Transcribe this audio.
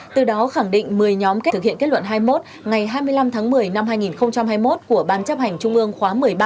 từ đó khẳng định một mươi nhóm kết thực hiện kết luận hai mươi một ngày hai mươi năm tháng một mươi năm hai nghìn hai mươi một của ban chấp hành trung ương khóa một mươi ba